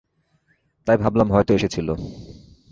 তাই ভাবলাম হয়ত এসেছিল।